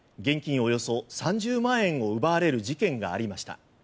およそ３０万円を奪われる事件がありました。